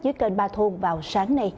dưới kênh ba thôn vào sáng nay